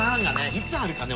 いつあるかね